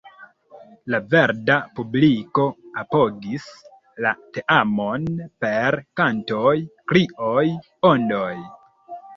La verda publiko apogis la teamon per kantoj, krioj, ondoj.